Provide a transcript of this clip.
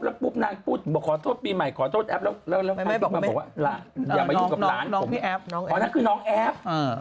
แล้วปุ๊บนางพูดบอกขอโทษปีใหม่ขอโทษแอฟ